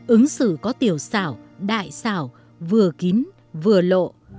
ứng xử có tiểu xảo đại xảo vừa kín vừa lộ